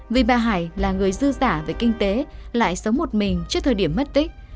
vì bà hải là người dư giả về kinh tế lại sống một mình trước thời điểm mất tích